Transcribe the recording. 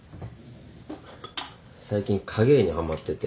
最近影絵にはまってて。